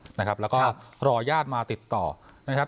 น้องบัวนะครับแล้วก็รอญาติมาติดต่อนะครับ